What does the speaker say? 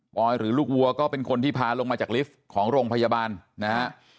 อยหรือลูกวัวก็เป็นคนที่พาลงมาจากลิฟต์ของโรงพยาบาลนะฮะ